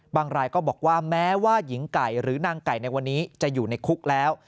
รายก็บอกว่าแม้ว่าหญิงไก่หรือนางไก่ในวันนี้จะอยู่ในคุกแล้ว